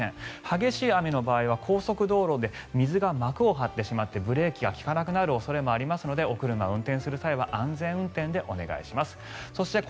激しい雨の場合は高速道路で水が膜を張ってしまってブレーキが利かなくなる恐れもありますのでお車を運転する際は安全運転でお願いします。